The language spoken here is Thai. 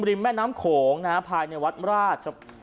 ริมแม่น้ำโขงภายในวัดมราช